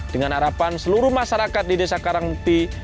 dengan harapan seluruh masyarakat di desa karangpi